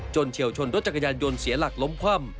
เฉียวชนรถจักรยานยนต์เสียหลักล้มคว่ำ